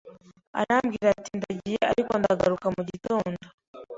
arambwira ati ndagiye ariko ndagaruka mu gitondo